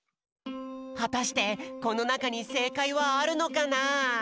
はたしてこのなかにせいかいはあるのかな？